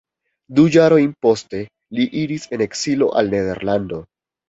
Du jarojn poste li iris en ekzilo al Nederlando.